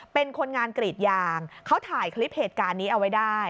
เป็นคนงานกรีดยางเขาถ่ายคลิปเหตุการณ์นี้เอาไว้ได้